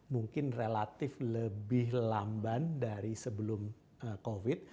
mungkin relatif lebih lamban dari sebelum covid